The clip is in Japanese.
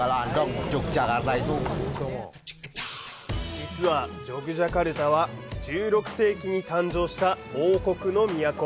実はジョグジャカルタは１６世紀に誕生した王国の都。